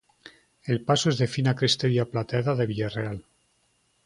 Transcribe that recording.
El paso es de fina crestería plateada de Villareal.